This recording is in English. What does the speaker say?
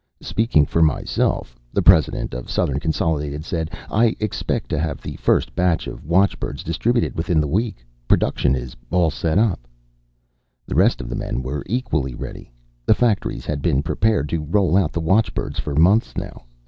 "Speaking for myself," the president of Southern Consolidated said, "I expect to have the first batch of watchbirds distributed within the week. Production is all set up." The rest of the men were equally ready. The factories had been prepared to roll out the watchbirds for months now.